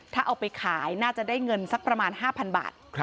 ถ้าเอาไปขายน่าจะได้เงินสักประมาณ๕๐๐บาท